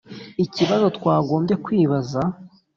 ikibazo twagombye kwibaza